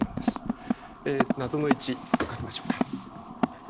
「謎の１」と書きましょうか。